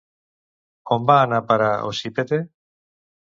On va anar a parar Ocípete?